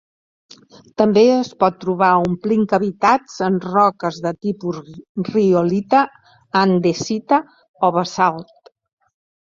També es pot trobar omplint cavitats en roques de tipus riolita, andesita o basalt.